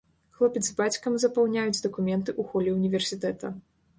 Хлопец з бацькам запаўняюць дакументы ў холе ўніверсітэта.